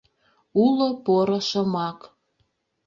Уло поро шомак.